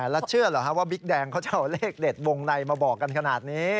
แล้วเชื่อเหรอฮะว่าบิ๊กแดงเขาจะเอาเลขเด็ดวงในมาบอกกันขนาดนี้